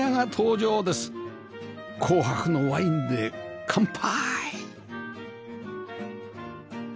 紅白のワインで乾杯！